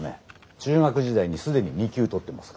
中学時代に既に２級取ってますから。